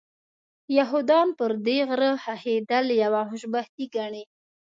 یهودان پر دې غره ښخېدل یوه خوشبختي ګڼي.